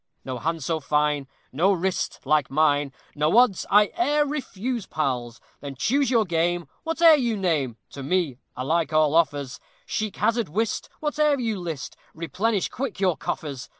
No hand so fine, No wrist like mine, No odds I e'er refuse, pals. Then choose your game; whate'er you name, To me alike all offers; Chic hazard, whist, whate'er you list, Replenish quick your coffers.